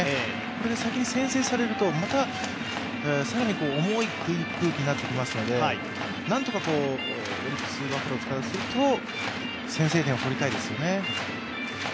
これで先に先制されるとまた更に重い空気になってきますのでなんとかオリックス・バファローズからすると、先制点を取りたいですよね。